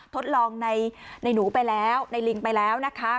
ทดลองในหนูไปแล้วในลิงไปแล้วนะคะ